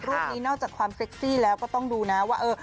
รูปนี้นอกจากความเซ็กซี่แล้วก็ต้องดูนะว่า